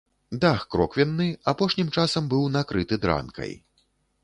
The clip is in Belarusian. Дах кроквенны, апошнім часам быў накрыты дранкай.